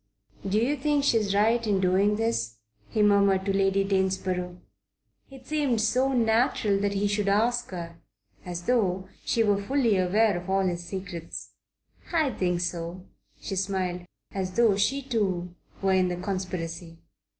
"Do you think she's right in doing this?" he murmured to Lady Danesborough. It seemed so natural that he should ask her as though she were fully aware of all his secrets. "I think so," she smiled as though she too were in the conspiracy.